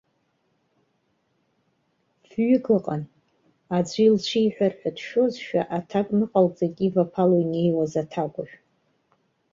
Фҩык ыҟан, аӡәы илцәиҳәар ҳәа дшәозшәа, аҭак ныҟалҵеит иваԥало инеиуаз аҭакәажә.